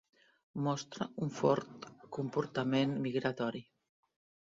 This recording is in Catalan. Mostra un fort comportament migratori.